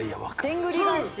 「でんぐり返し」。